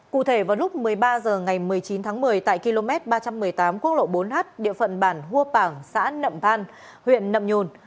cụ thể vào lúc một mươi ba h ngày một mươi chín tháng một mươi tại km ba trăm một mươi tám quốc lộ bốn h địa phận bản hua pảng xã nậm than huyện nậm nhùn